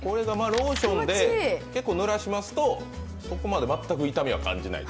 ローションで結構ぬらしますとここまで全く痛みは感じないと。